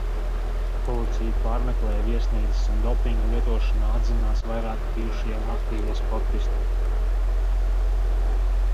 Policija pārmeklēja viesnīcas un dopinga lietošanā atzinās vairāki bijušie un aktīvie sportisti.